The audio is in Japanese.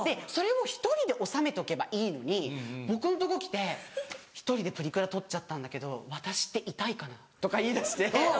それを１人で収めとけばいいのに僕のとこ来て「１人でプリクラ撮っちゃったんだけど私ってイタいかな？」とか言いだして。